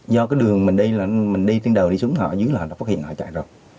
do cái đường mình đi là mình đi trên đầu đi xuống họ dưới là họ đã phát hiện họ chạy rồi